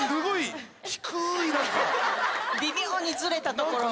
微妙にずれたところを。